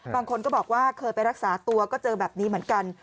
บางคนก็บอกว่าเคยไปรักษาตัวก็เจอแบบนี้เหมือนกัน